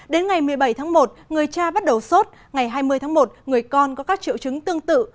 đến ngày một mươi bảy tháng một người cha bắt đầu sốt ngày hai mươi tháng một người con có các triệu chứng tương tự